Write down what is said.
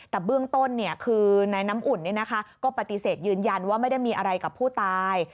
แต่เบื้องต้นคือนายน้ำอุ่นก็ปฏิเสธยืนยันว่าไม่ได้มีอะไรกับผู้ตาย